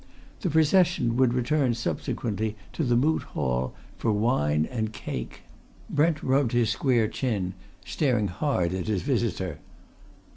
The procession would return subsequently to the Moot Hall, for wine and cake." Brent rubbed his square chin, staring hard at his visitor.